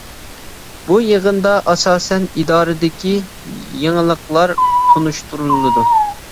بۇ يىغىندا ئاساسەن ئىدارىدىكى يېڭىلىقلار تونۇشتۇرۇلىدۇ.